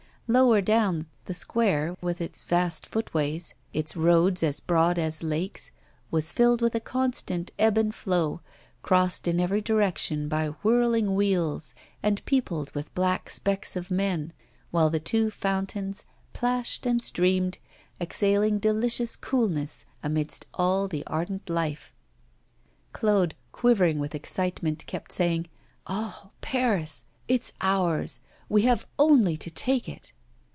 Lower down, the square with its vast footways, its roads as broad as lakes was filled with a constant ebb and flow, crossed in every direction by whirling wheels, and peopled with black specks of men, while the two fountains plashed and streamed, exhaling delicious coolness amid all the ardent life. Claude, quivering with excitement, kept saying: 'Ah! Paris! It's ours. We have only to take it.